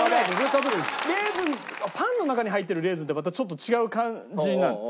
レーズンパンの中に入ってるレーズンとまたちょっと違う感じなの。